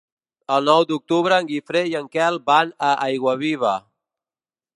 El nou d'octubre en Guifré i en Quel van a Aiguaviva.